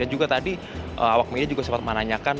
dan juga tadi awak media juga sempat menanyakan